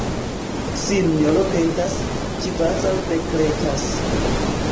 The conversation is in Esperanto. Sinjoro petas, kvazaŭ dekretas.